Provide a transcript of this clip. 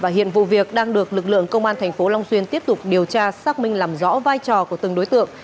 hiện vụ việc đang được lực lượng công an thành phố long xuyên tiếp tục điều tra xác minh làm rõ vai trò của từng đối tượng